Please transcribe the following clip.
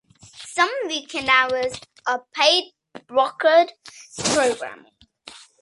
Some weekend hours are paid brokered programming.